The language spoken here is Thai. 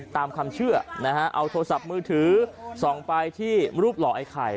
ตามความเชื่อนะฮะเอาโทรศัพท์มือถือส่องไปที่รูปหล่อไอ้ไข่